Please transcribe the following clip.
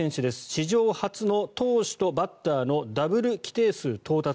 史上初の投手とバッターのダブル規定数到達